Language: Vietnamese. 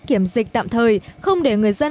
kiểm dịch tạm thời không để người dân